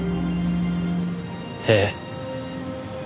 ええ。